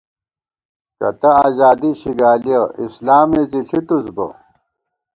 کتہ اَزادی شِگالِیَہ ، اِسلامے زی ݪِتُس بہ